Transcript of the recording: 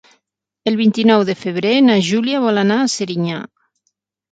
El vint-i-nou de febrer na Júlia vol anar a Serinyà.